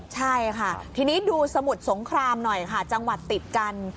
ใช่ค่ะทีนี้ดูสมุทรสงครามหน่อยค่ะจังหวัดติดกัน